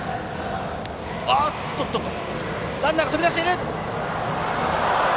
ランナー飛び出している！